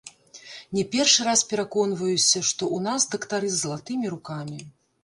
Не першы раз пераконваюся, што ў нас дактары з залатымі рукамі.